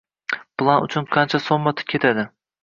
Plan uchun qancha soʼmma ketadi?